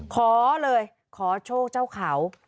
ขอเลยขอโชคเจ้าเขา